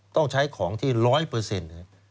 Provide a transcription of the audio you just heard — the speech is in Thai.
ต้องใช้ของที่ร้อยเปอร์เซ็นต์